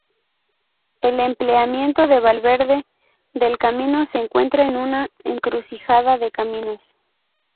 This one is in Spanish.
El emplazamiento de Valverde del Camino se encuentra en una encrucijada de caminos.